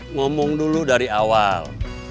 ngomong dulu dari awal